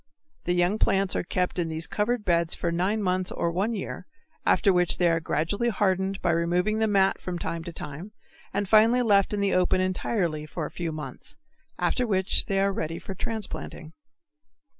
The young plants are kept in these covered beds for nine months or one year, after which they are gradually hardened by removing the mat from time to time, and finally left in the open entirely for a few months, after which they are ready for transplanting.